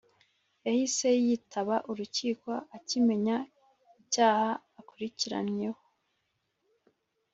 Yahise yitaba urukiko akimenya icyaha akurikiranyweho